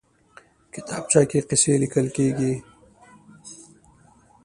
کتابچه کې قصې لیکل کېږي